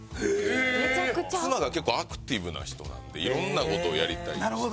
妻が結構アクティブな人なんでいろんなことをやりたい人。